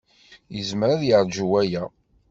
Yezmer ad yeṛju waya?